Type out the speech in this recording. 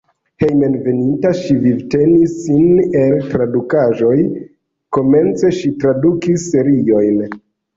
Hejmenveninta ŝi vivtenis sin el tradukaĵoj, komence ŝi tradukis seriojn.